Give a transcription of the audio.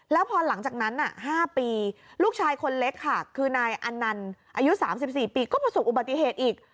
แล้วพอหลังจากนั้น๕ปีลูกชายคนเล็กค่ะคือนายอันนันต์อายุ๓๔ปีก็ประสบอุบัติเหตุอีก